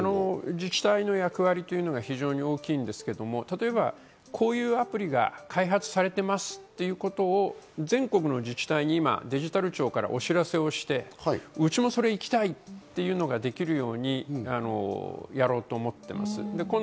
自治体の役割っていうのは非常に大きいんですけど、例えばこういうアプリが開発されてますっていうことを全国の自治体に今デジタル庁からお知らせをしてうちもそれ行きたいっていうのができるようにやろうと思っています。